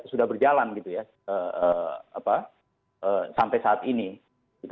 kan sudah berjalan sampai saat ini